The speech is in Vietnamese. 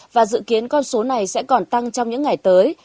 và dự kiến con số này sẽ còn tăng trong những ngày tới